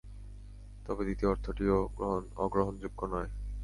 তবে দ্বিতীয় অর্থটিও অগ্রহণযোগ্য নয়।